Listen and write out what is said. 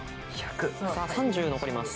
３０残ります。